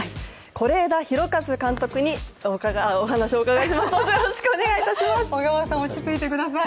是枝裕和監督にお話をお伺いします！